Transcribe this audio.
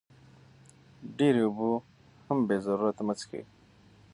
ډېرې اوبه هم بې ضرورته مه څښئ.